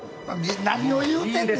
何を言うてんねん！